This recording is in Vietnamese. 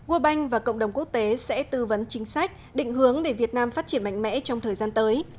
world bank và cộng đồng quốc tế sẽ tư vấn chính sách định hướng để việt nam phát triển mạnh mẽ trong thời gian tới